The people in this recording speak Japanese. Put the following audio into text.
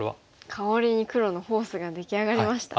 かわりに黒のフォースが出来上がりましたね。